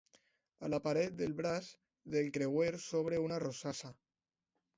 A la paret del braç del creuer s'obre una rosassa.